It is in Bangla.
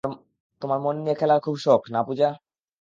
তোমার মন নিয়ে খেলার খুব শখ, না পূজা?